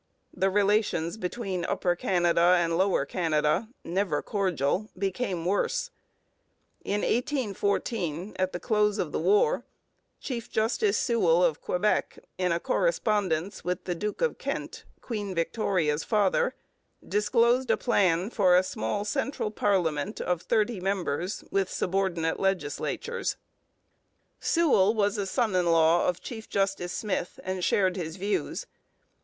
The relations between Upper Canada and Lower Canada, never cordial, became worse. In 1814, at the close of the war, Chief Justice Sewell of Quebec, in a correspondence with the Duke of Kent (Queen Victoria's father), disclosed a plan for a small central parliament of thirty members with subordinate legislatures. Sewell was a son in law of Chief Justice Smith and shared his views.